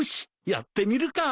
やってみるか。